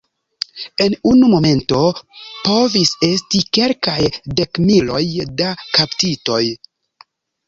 En unu momento povis esti kelkaj dekmiloj da kaptitoj.